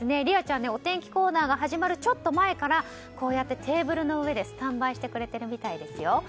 梨葵ちゃんはお天気コーナーが始まるちょっと前からこうやってテーブルの上でスタンバイしてくれてるみたいですよ。